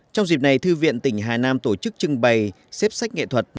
trong dịp này thư viện tỉnh hà nam tổ chức trưng bày xếp sách nghệ thuật